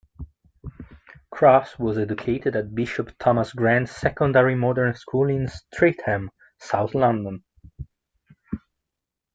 Cross was educated at Bishop Thomas Grant secondary modern school in Streatham, South London.